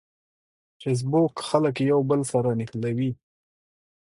فېسبوک خلک یو بل سره نښلوي